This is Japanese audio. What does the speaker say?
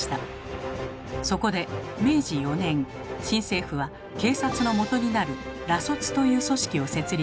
そこで明治４年新政府は警察の基になる「ら卒」という組織を設立。